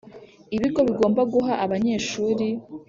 Ibigo bigomba guha abanyeshuri